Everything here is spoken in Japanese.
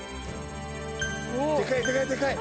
でかいでかいでかい。